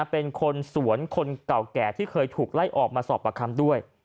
เป็นคนสวนคนเก่าแก่ที่เคยถูกไล่ออกมาสอบประคำด้วย